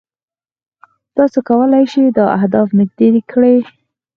تاسو کولای شئ دا هدف نږدې کړئ.